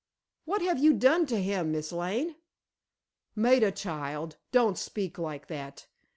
What have you done to him, Miss Lane?" "Maida, child, don't speak like that!